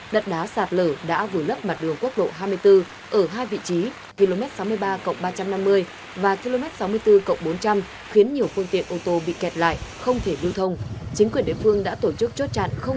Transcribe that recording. đất đá sạt lở đã vừa lấp mặt đường quốc lộ hai mươi bốn ở hai vị trí km sáu mươi ba ba trăm năm mươi và km sáu mươi bốn bốn trăm linh khiến nhiều phương tiện ô tô bị kẹt lại không thể lưu thông